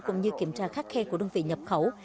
cũng như kiểm tra khắc khe của đơn vị nhập khẩu